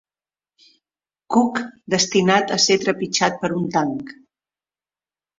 Cuc destinat a ser trepitjat per un tanc.